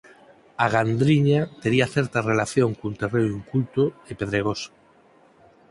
A Gandriña tería certa relación cun terreo inculto e pedregoso.